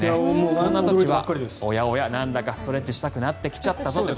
そんな時はおやおや、なんだかストレッチしたくなってきちゃったよと。